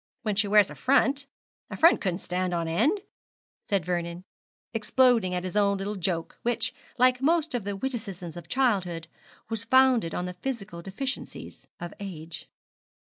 when she wears a front. A front couldn't stand on end,' said Vernon, exploding at his own small joke, which, like most of the witticisms of childhood, was founded on the physical deficiencies of age.